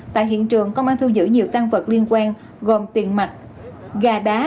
tại hiện trường công an thu giữ nhiều tăng vật liên quan gồm tiền mặt gà đá